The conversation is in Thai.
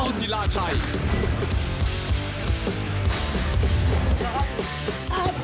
ส่วนมวยคู่รองกายถ่ายเท้าสดตอนนี้บนวีธีก็พร้อมแล้วนะครับ